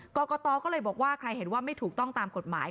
กรกตก็เลยบอกว่าใครเห็นว่าไม่ถูกต้องตามกฎหมาย